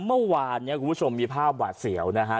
เมื่อวานเนี่ยคุณผู้ชมมีภาพหวาดเสียวนะฮะ